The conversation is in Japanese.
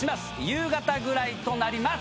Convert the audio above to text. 夕方ぐらいとなります